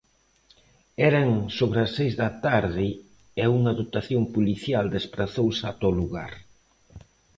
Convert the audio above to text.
Eran sobre as seis da tarde e unha dotación policial desprazouse ata o lugar.